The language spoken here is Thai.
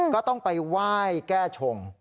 ก็ต้องไปไหว้แก้ชง